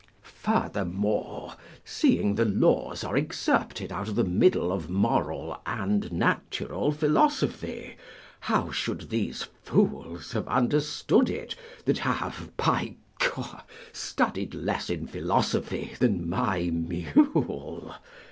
Furthermore, seeing the laws are excerpted out of the middle of moral and natural philosophy, how should these fools have understood it, that have, by G , studied less in philosophy than my mule?